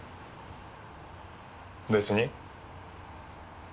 別に。